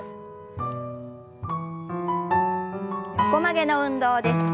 横曲げの運動です。